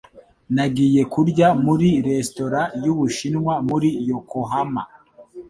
Nagiye kurya muri Restaurant y'Ubushinwa muri Yokohama.